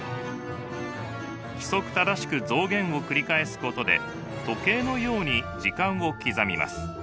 規則正しく増減を繰り返すことで時計のように時間を刻みます。